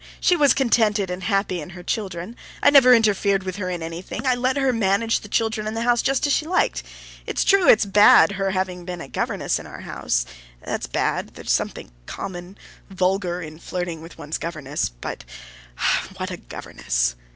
She was contented and happy in her children; I never interfered with her in anything; I let her manage the children and the house just as she liked. It's true it's bad her having been a governess in our house. That's bad! There's something common, vulgar, in flirting with one's governess. But what a governess!"